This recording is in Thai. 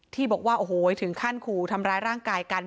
ที่บอกว่าโอ้โหถึงขั้นขู่ทำร้ายร่างกายกัน